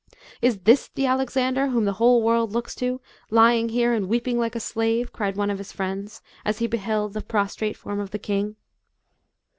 " Is this the Alexander, whom the whole world looks to, lying here and weeping like a slave ?" cried one of his friends, as he beheld the pros trate form of the king.